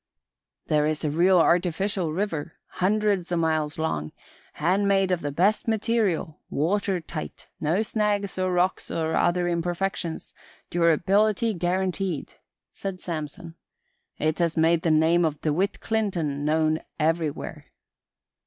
"There is a real artificial river, hundreds o' miles long, handmade of the best material, water tight, no snags or rocks or other imperfections, durability guaranteed," said Samson. "It has made the name of DeWitt Clinton known everywhere."